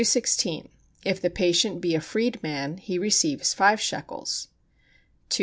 If the patient be a freed man, he receives five shekels. 217.